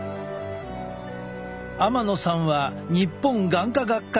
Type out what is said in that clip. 天野さんは日本眼科学会